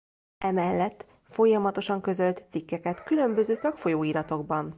Emellett folyamatosan közölt cikkeket különböző szakfolyóiratokban.